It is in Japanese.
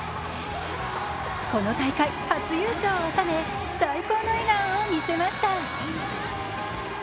この大会、初優勝を収め最高の笑顔を見せました。